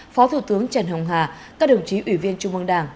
phó thủ tướng trần hồng hà các đồng chí ủy viên trung ương đảng